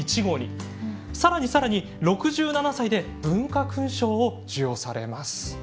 更に更に６７歳で文化勲章を授与されます。